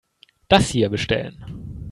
Das hier bestellen.